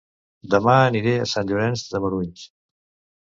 Dema aniré a Sant Llorenç de Morunys